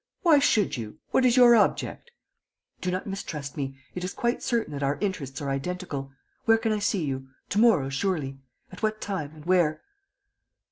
"Why should you? What is your object?" "Do not distrust me ... it is quite certain that our interests are identical.... Where can I see you? To morrow, surely? At what time? And where?"